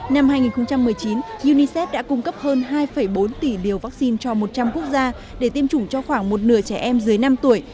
năm hai nghìn một mươi chín unicef đã cung cấp hơn hai bốn tỷ liều vaccine cho một trăm linh quốc gia để tiêm chủng cho khoảng một nửa trẻ em dưới năm tuổi